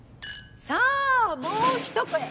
さあもうひと声